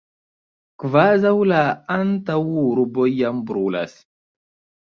kvazaŭ la antaŭurbo jam brulas!